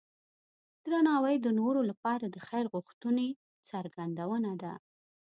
درناوی د نورو لپاره د خیر غوښتنې څرګندونه ده.